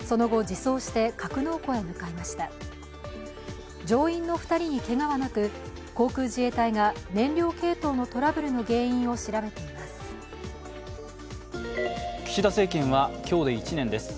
乗員の２人にけがはなく、航空自衛隊が燃料系統のトラブルの原因を調べています。